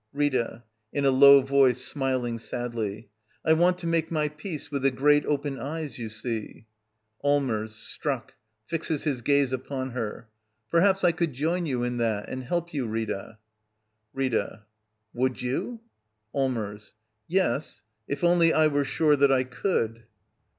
Rita. [In a low voice, smiling sadly.] I want to make my peace with the great, open eyes, you see. Allmers. [Struck, fixes his gaze upon her.] Perhaps I could join you in that — and help you, Rita. Rita. Would you? Allmers. Yes — if only I were sure that I could.